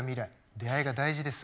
出会いが大事です。